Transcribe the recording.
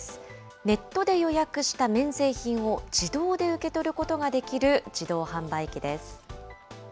ネットで予約した免税品を、自動で受け取ることができる自動販売機です。